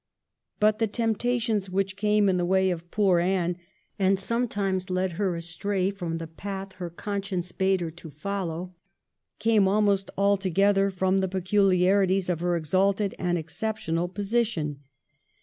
But the temptations which came in the way of poor Anne, and sometimes led her astray from the path her conscience bade her to foUow, came almost altogether from the peculiarities of her exalted and exceptional position.